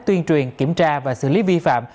tuyên truyền kiểm tra và xử lý vi phạm